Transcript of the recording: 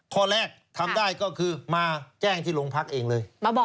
ข้อแรกทำได้ก็คือมาแจ้งที่โรงพักเองเลย